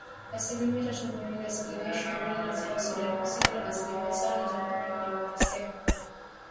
Asilimia tatu Burundi ,asilimia ishirini na tano Sudan Kusini na asilimia tano Jamhuri ya Kidemokrasia ya Kongo.